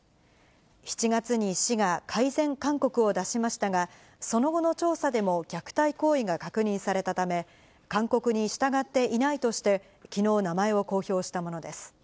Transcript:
７月に市が改善勧告を出しましたが、その後の調査でも虐待行為が確認されたため、勧告に従っていないとして、きのう、名前を公表したものです。